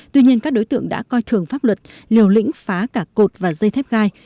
tuy nhiên các đối tượng đã coi thường pháp luật liều lĩnh phá cả cột và dây thép gai